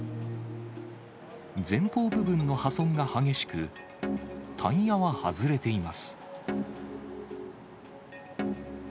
前方部分の破損が激しく、タイヤは外れています。